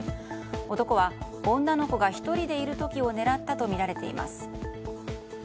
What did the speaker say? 男は、女の子が１人でいる時を狙ったとみられています。